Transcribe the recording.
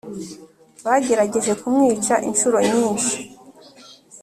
Bagerageje kumwica incuro nyinshi